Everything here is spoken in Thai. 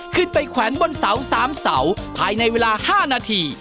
แขวนบนเสา๓เสาภายในเวลา๕นาที